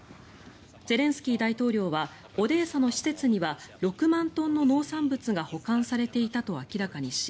ゼレンスキー大統領はオデーサの施設には６万トンの農産物が保管されていたと明らかにし